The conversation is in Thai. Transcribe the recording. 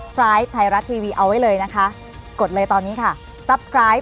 สวัสดีค่ะ